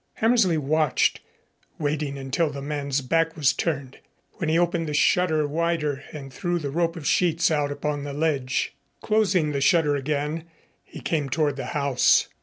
Hammersley watched, waiting until the man's back was turned, when he opened the shutter wider and threw the rope of sheets out upon the ledge. Closing the shutter again, he came toward the house.